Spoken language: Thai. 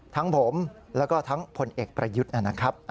ทั้งผมแล้วก็ทั้งผลเอกประยุทธ์นะครับ